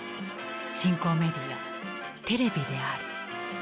新興メディアテレビである。